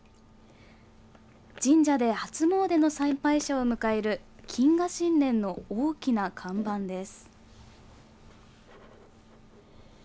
神社で初詣の参拝者を迎える謹賀新年の大きな看板です。